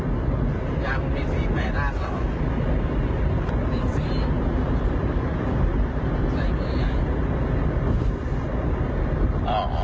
ทุกอย่างมันมีสีแปรร้าทเหรอ